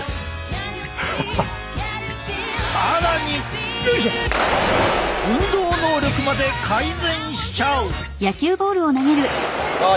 更に運動能力まで改善しちゃう！